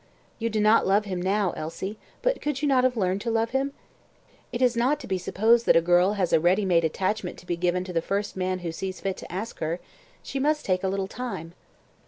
"You do not love him now, Elsie, but could you not have learned to love him? It is not to be supposed that a girl has a ready made attachment to be given to the first man who sees fit to ask her; she must take a little time."